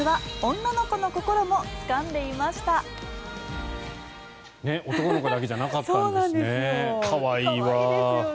男の子だけじゃなかったんですね。